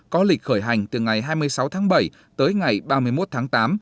có lịch khởi hành từ ngày hai mươi sáu tháng bảy tới ngày ba mươi một tháng tám